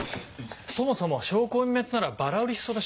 そもそも証拠隠滅ならバラ売りしそうだし。